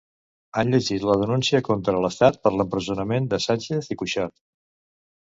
Han llegit la denúncia contra l'Estat per l'empresonament de Sánchez i Cuixart.